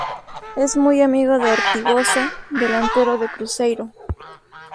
Es muy amigo de Ortigoza, delantero de Cruzeiro.